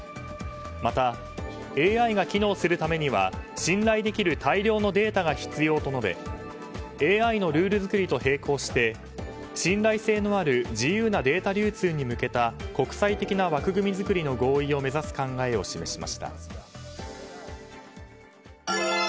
また、ＡＩが機能するためには信頼できる大量のデータが必要と述べＡＩのルール作りと並行して信頼性のある自由なデータ流通に向けた国際的な枠組み作りの合意を目指す考えを示しました。